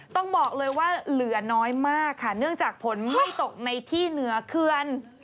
ต้องบอกเลยว่าเหลือน้อยมากค่ะเนื่องจากฝนไม่ตกในที่เหนือเคือน